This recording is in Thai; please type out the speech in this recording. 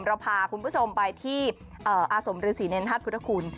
เราพาคุณผู้ชมไปที่อาสมฤษีเนรธาตุพุทธคุณ